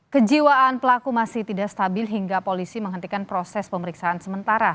kejiwaan pelaku masih tidak stabil hingga polisi menghentikan proses pemeriksaan sementara